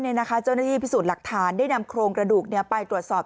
เจ้าหน้าที่พิสูจน์หลักฐานได้นำโครงกระดูกไปตรวจสอบ